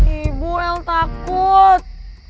ibu el takut